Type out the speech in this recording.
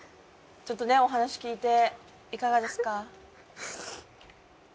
ちょっとねお話聞いていかがですか？